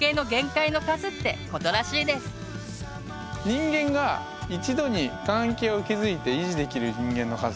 人間が一度に関係を築いて維持できる人間の数。